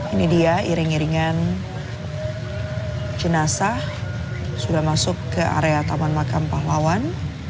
ini dia iring iringan jenazah sudah masuk ke area taman makam pahlawan